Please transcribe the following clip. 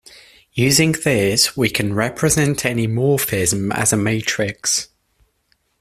Using this, we can represent any morphism as a matrix.